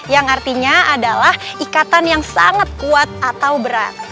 yang artinya adalah ikatan yang sangat kuat atau berat